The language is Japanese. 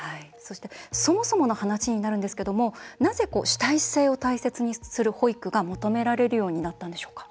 そもそもの話ですがなぜ主体性を大切にする保育が求められるようになったんでしょうか？